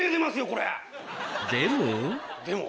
でも。